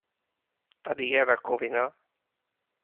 Tady je rakovina?